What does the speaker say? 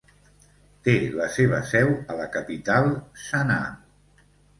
Té la seva seu a la capital, Sanà.